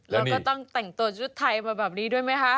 แล้วก็ต้องแต่งตัวชุดไทยมาแบบนี้ด้วยไหมคะ